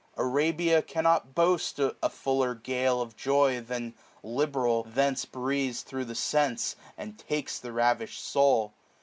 Arabia cannot boast A fuller gale of joy, than, liberal, thence Breathes thro' the sense, and takes the ravish'd soul.